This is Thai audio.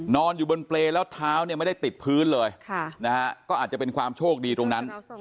นอนอยู่บนเปรย์แล้วเท้าเนี่ยไม่ได้ติดพื้นเลยก็อาจจะเป็นความโชคดีตรงนั้น